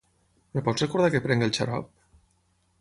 Em pots recordar que prengui el xarop?